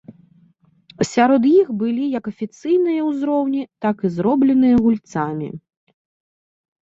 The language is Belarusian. Сярод іх былі як афіцыйныя узроўні, так і зробленыя гульцамі.